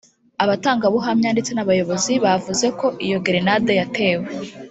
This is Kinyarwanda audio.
Abatangabuhamya ndetse n’abayobozi bavuze ko iyo gerenade yatewe